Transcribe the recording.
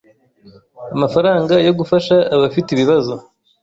amafaranga yo gufasha abafite ibibazo.